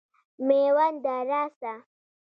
مېونده راسه.